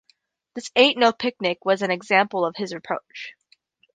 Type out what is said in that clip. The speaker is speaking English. "This Ain't No Picnic", was an example of his approach.